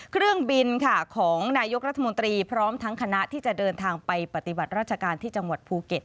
เครื่องบินค่ะของนายกรัฐมนตรีพร้อมทั้งคณะที่จะเดินทางไปปฏิบัติราชการที่จังหวัดภูเก็ต